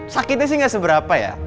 sakitnya sih nggak seberapa ya